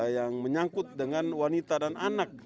yang menyangkut dengan wanita dan anak